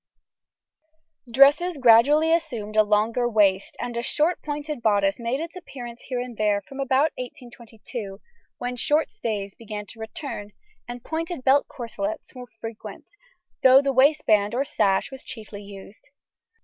] Dresses gradually assumed a longer waist, and a short pointed bodice made its appearance here and there from about 1822, when short stays began to return, and pointed belt corselets were frequent, though the waistband or sash was chiefly used.